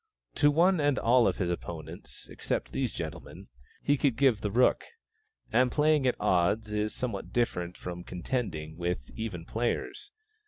To one and all of his opponents, except these gentlemen, he could give the rook; and playing at odds is somewhat different from contending with even players.